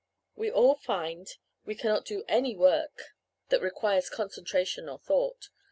"We all find we cannot do any work that requires concentration of thought.